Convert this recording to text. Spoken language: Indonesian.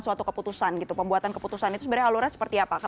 suatu keputusan gitu pembuatan keputusan itu sebenarnya alurnya seperti apa